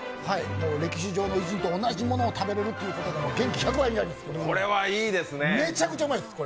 歴史上の偉人と同じものを食べれるってことで元気１００倍になります、めちゃくちゃうまいです、これ。